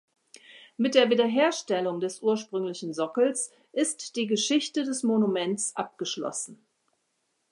Mit der Wiederherstellung des ursprünglichen Sockels ist die Geschichte des Monuments abgeschlossen.